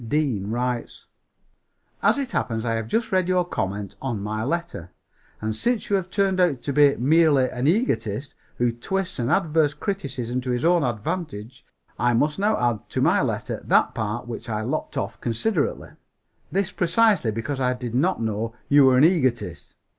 Deane writes: "As it happens I have just read your comment on my letter; and since you have turned out to be merely an egotist who twists an adverse criticism to his own advantage, I must now add to my letter that part which I lopped off considerately. This precisely because I did not know you were an egotist.